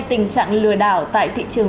tình trạng lừa đảo tại thị trường